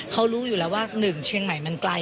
เขารู้อยู่แล้วว่า๑เชียงใหม่มันไกล